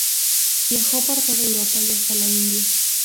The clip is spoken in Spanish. Viajó por toda Europa, y hasta la India.